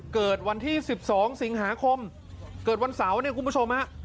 เกิดวันที่๑๒สิงหาคมเกิดวันเสาร์เนี่ยคุณผู้ชมฮะ